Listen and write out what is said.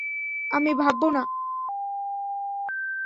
আমি ভাববো না।